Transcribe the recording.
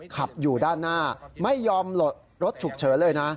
ขับอยู่ด้านหน้าไม่ยอมหลดรถฉุกเฉินเลยนะ